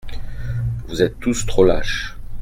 Vous êtes tous trop lâches.